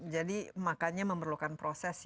jadi makanya memerlukan proses ya